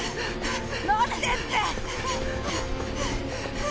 ・待ってって。